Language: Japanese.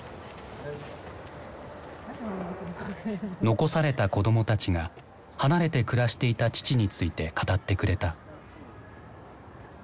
遺された子どもたちが離れて暮らしていた父について語ってくれた。